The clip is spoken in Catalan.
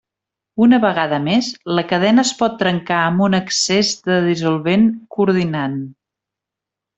Una vegada més, la cadena es pot trencar amb un excés de dissolvent coordinant.